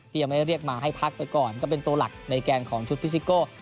ยังไม่เรียกมาให้พักไปก่อนก็เป็นตัวหลักในแกนของชุดพิซิโก้